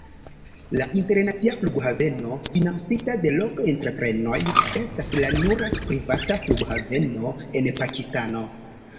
La internacia flughaveno, financita de lokaj entreprenoj, estas la nura privata flughaveno en Pakistano.